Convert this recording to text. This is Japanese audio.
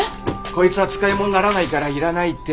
こいつは使い物にならないからいらないって。